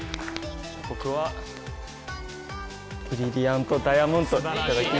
僕はブリアントダイヤモンドいただきます。